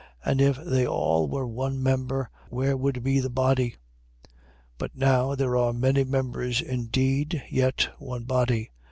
And if they all were one member, where would be the body? 12:20. But now there are many members indeed, yet one body.